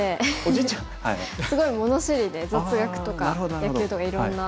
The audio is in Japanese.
すごい物知りで雑学とか野球とかいろんな。